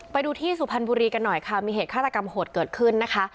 ไปดูที่สุพรรณบุรีกันหน่อยค่ะมีเหตุฆาตกรรมโหดเกิดขึ้นนะคะ